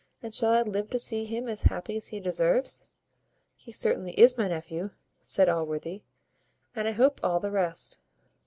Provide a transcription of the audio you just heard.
And shall I live to see him as happy as he deserves?" "He certainly is my nephew," says Allworthy, "and I hope all the rest."